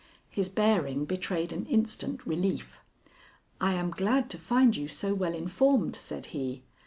His bearing betrayed an instant relief. "I am glad to find you so well informed," said he.